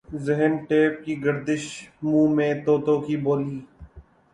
ذہن ٹیپ کی گردش منہ میں طوطوں کی بولی